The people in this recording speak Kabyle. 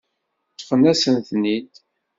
Ṭṭfen-asent-ten-id.